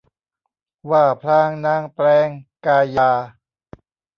ว่าพลางนางแปลงกายา